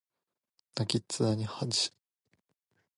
泣きっ面に蜂